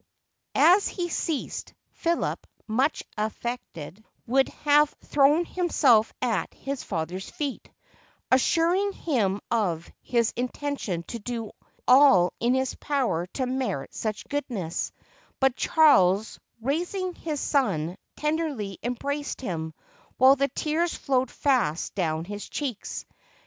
As he ceased, Philip, much affected, would have thrown himself at his father's feet, assuring him of his intention to do all in his power to merit such goodness; but Charles, raising his son, tenderly embraced him, while the tears flowed fast down his cheeks.